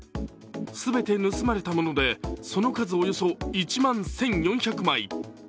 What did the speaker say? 全て盗まれたものでその数およそ１万１４００枚。